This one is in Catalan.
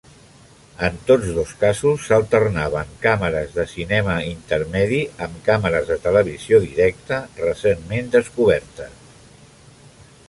En tots dos casos s'alternaven càmeres de cinema intermedi amb càmeres de televisió directa, recentment descobertes.